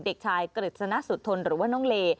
เด็กชายกฤษณสุธนหรือว่าน้องเล